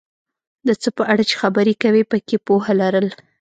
د څه په اړه چې خبرې کوې پکې پوهه لرل،